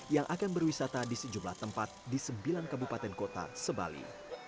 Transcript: yang akan berwisata di sejumlah tempat di sembilan kabupaten kota sebali